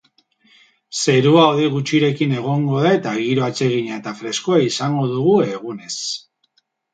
Zerua hodei gutxirekin egongo da eta giro atsegina eta freskoa izango dugu egunez.